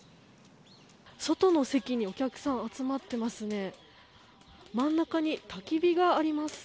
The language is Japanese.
外の席にお客さん集まっていますね。